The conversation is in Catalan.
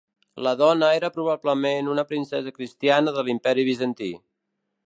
La dona era probablement una princesa cristiana de l'Imperi bizantí.